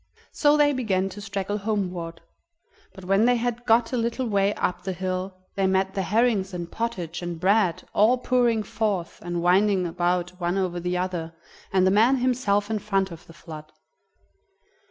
So they began to straggle homeward, but when they had got a little way up the hill they met the herrings and pottage and bread, all pouring forth and winding about one over the other, and the man himself in front of the flood.